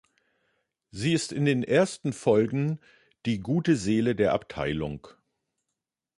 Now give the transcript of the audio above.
Sie ist in den ersten Folgen die gute Seele der Abteilung.